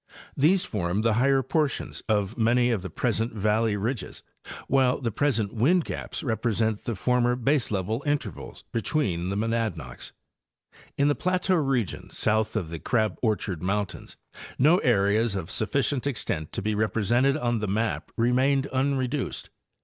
These form the higher portions of many Nature of the Deformation. 79 of the present valley ridges, while the present wind gaps repre sent the former baseleveled intervals between the monadnocks. In the plateau rezion south of the Crab Orchard mountains no areas of sufficient extent to be represented on the map remained unreduced.